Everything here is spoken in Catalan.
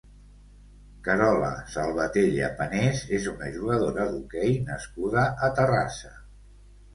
Carola Salvatella Panés és una jugadora d'hoquei nascuda a Terrassa.